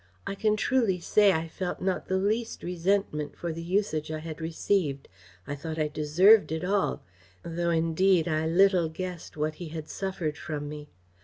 "I can truly say I felt not the least resentment for the usage I had received; I thought I deserved it all; though, indeed, I little guessed what he had suffered from me.